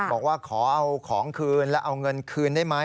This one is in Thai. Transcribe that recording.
บอกว่าขอเอาของคืนแล้วเอาเงินคืนได้ไหม